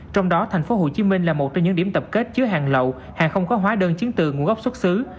trong đó tp hcm là một trong những điểm tập kết chứa hàng lậu hàng không có hóa đơn chứng từ nguồn gốc xuất xứ